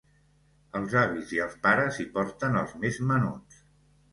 Els avis i els pares hi porten els més menuts.